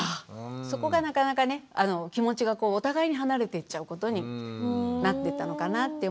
そこがなかなかね気持ちがお互いに離れていっちゃうことになってたのかなって思うんですが。